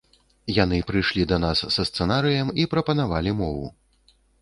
Яны прыйшлі да нас са сцэнарыем і прапанавалі мову.